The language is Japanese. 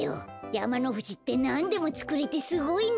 やまのふじってなんでもつくれてすごいね。